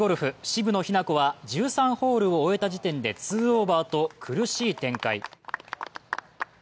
渋野日向子は１３ホールを終えた時点で２オーバーと苦しい展開。